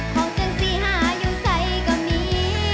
ของจังสิหาอยู่ใส่ก็มี